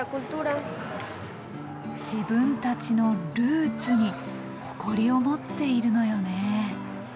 自分たちのルーツに誇りを持っているのよね。